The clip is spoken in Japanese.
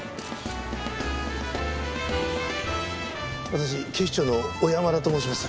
私警視庁の小山田と申します。